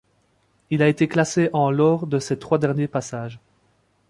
Il a été classé en lors de ses trois derniers passages.